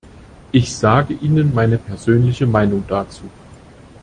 Ich sage Ihnen meine persönliche Meinung dazu.